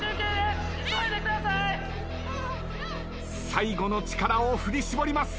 最後の力を振り絞ります。